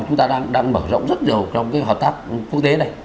chúng ta đang mở rộng rất nhiều trong cái hợp tác quốc tế này